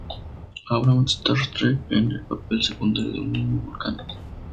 Abrams "Star Trek", en el papel secundario de un niño vulcano.